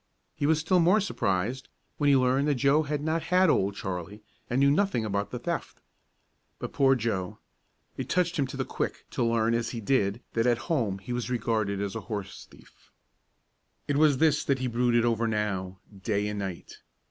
He was still more surprised when he learned that Joe had not had Old Charlie, and knew nothing about the theft. But poor Joe! It touched him to the quick to learn, as he did, that at home he was regarded as a horse thief. It was this that he brooded over now, day and night.